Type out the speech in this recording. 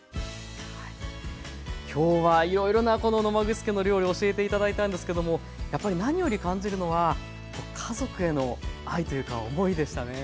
きょうはいろいろなこの野間口家の料理を教えて頂いたんですけどもやっぱり何より感じるのは家族への愛というか思いでしたね。